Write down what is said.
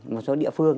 một số địa phương